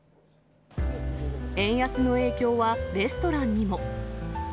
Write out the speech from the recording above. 円安の影響は、レストランにも。